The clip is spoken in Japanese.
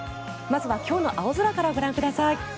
まずは今日の青空からご覧ください。